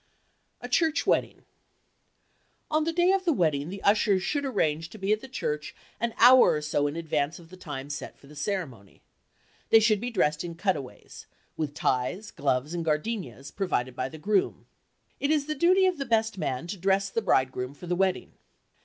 A CHURCH WEDDING On the day of the wedding the ushers should arrange to be at the church an hour or so in advance of the time set for the ceremony. They should be dressed in cutaways, with ties, gloves and gardenias provided by the groom. It is the duty of the best man to dress the bridegroom for the wedding.